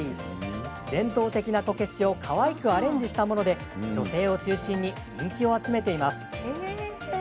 伝統的なこけしをかわいくアレンジしたもので女性を中心に人気を集めています。